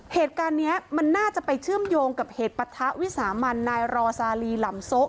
เหตุการณ์นี้มันน่าจะไปเชื่อมโยงกับเหตุปะทะวิสามันนายรอซาลีหล่ำโซะ